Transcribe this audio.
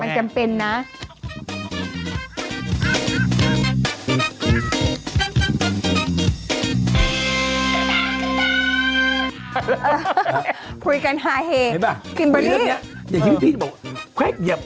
ใช่ค่ะมุฒิ